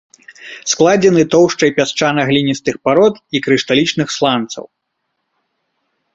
Складзены тоўшчай пясчана-гліністых парод і крышталічных сланцаў.